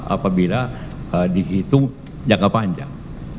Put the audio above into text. apabila dihitung jangka panjang